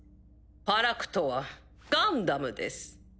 ファラクトはガンダムです。